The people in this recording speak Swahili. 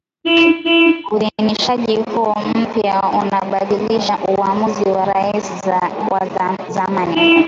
Uidhinishaji huo mpya unabatilisha uamuzi wa Rais wa zamani